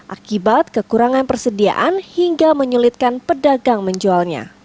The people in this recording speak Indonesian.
akibat kekurangan persediaan hingga menyulitkan pedagang menjualnya